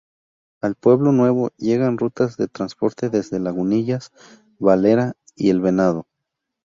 A Pueblo Nuevo llegan rutas de transporte desde Lagunillas, Valera y El Venado.